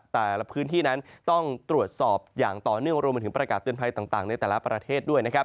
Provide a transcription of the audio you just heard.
แต่ละพื้นที่นั้นต้องตรวจสอบอย่างต่อเนื่องรวมมาถึงประกาศเตือนภัยต่างในแต่ละประเทศด้วยนะครับ